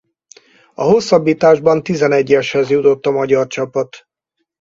A hosszabbításban tizenegyeshez jutott a magyar csapat.